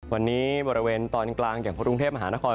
วันนี้บริเวณตอนกลางห้ามกดลึงเทศหมาฆานคอย